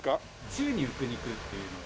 宙に浮く肉っていうのを。